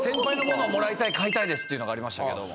買いたいですっていうのがありましたけども。